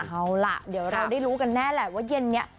เอาล่ะเดี๋ยวเราได้รู้กันแน่แหละว่าเย็นนี้